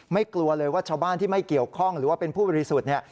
กลัวเลยว่าชาวบ้านที่ไม่เกี่ยวข้องหรือว่าเป็นผู้บริสุทธิ์เนี่ย